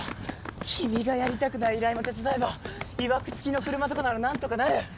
君がやりたくない依頼も手伝えばいわく付きの車とかならなんとかなる！